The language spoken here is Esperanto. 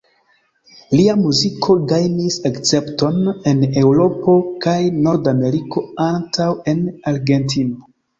Lia muziko gajnis akcepton en Eŭropo kaj Nord-Ameriko antaŭ en Argentino.